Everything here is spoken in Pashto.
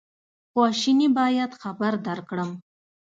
خواشیني باید خبر درکړم.